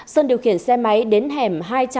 sơn điều khiển xe máy đến hẻm hai trăm bốn mươi hai